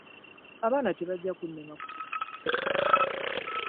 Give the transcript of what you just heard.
Abaana tebajja kunnema kusomesa.